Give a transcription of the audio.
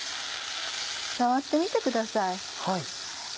触ってみてください。